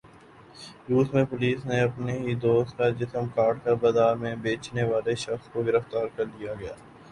روس میں پولیس نے اپنے ہی دوست کا جسم کاٹ کر بازار میں بیچنے والے شخص کو گرفتار کرلیا گیا ہے